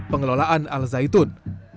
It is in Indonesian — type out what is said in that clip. pengelolaan al zaitun